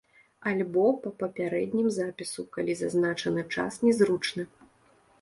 Альбо па папярэднім запісу, калі зазначаны час не зручны.